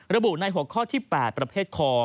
ระบุในหัวข้อที่๘ประเภทคอ